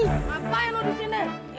ngapain lu disini